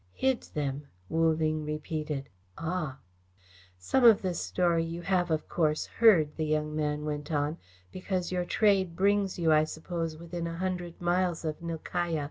"Hid them," Wu Ling repeated. "Ah!" "Some of this story, you have, of course, heard," the young man went on, "because your trade brings you, I suppose, within a hundred miles of Nilkaya.